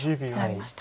出ました。